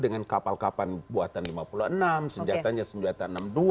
dengan kapal kapal buatan lima puluh enam senjatanya senjata enam puluh dua